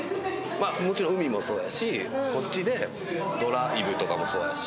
もちろん海もそうやしこっちでドライブとかもそうやし。